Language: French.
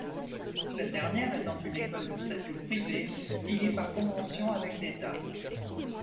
Cette dernière étant une école de statut privé, liée par convention avec l'État.